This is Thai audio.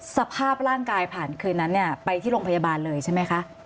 สภาพร่างกายผ่านคืนนั้นเนี่ยไปที่โรงพยาบาลเลยใช่ไหมคะ